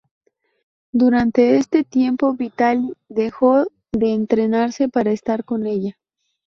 Durante este tiempo Vitaly dejó de entrenarse para estar con ella.